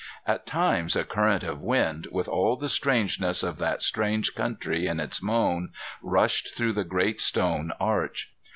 At times a current of wind, with all the strangeness of that strange country in its moan, rushed through the great stone arch.